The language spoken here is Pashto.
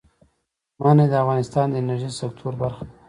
منی د افغانستان د انرژۍ سکتور برخه ده.